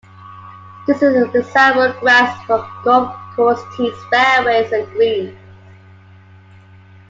This is a desirable grass for golf course tees, fairways and greens.